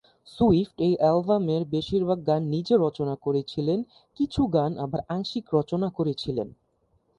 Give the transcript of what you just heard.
Swift এই অ্যালবামের বেশিরভাগ গান নিজে রচনা করেছিলেন, কিছু গান আবার আংশিক রচনা করেছিলেন।